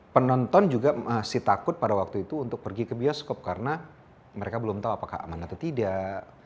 penonton juga masih takut pada waktu itu untuk pergi ke bioskop karena mereka belum tahu apakah aman atau tidak